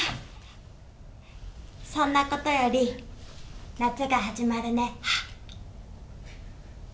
そんなことより夏が始まるね。